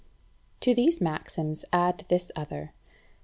11. To these maxims add this other.